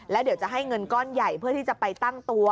แล้วเดี๋ยวจะให้เงินก้อนใหญ่เพื่อที่จะไปตั้งตัว